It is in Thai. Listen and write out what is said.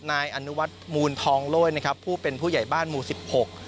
นายอนุวัตรมูลทองโลยนะครับผู้เป็นผู้ใหญ่บ้านมูล๑๖